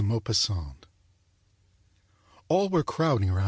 â THE HAND All were crowding around M.